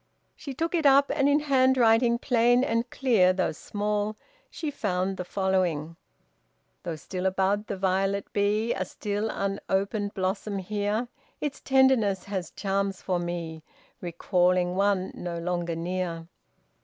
She took it up, and in handwriting plain and clear though small, she found the following: Though still a bud the violet be, A still unopened blossom here, Its tenderness has charms for me, Recalling one no longer near.